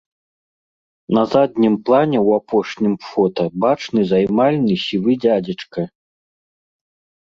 На заднім плане ў апошнім фота бачны займальны сівы дзядзечка.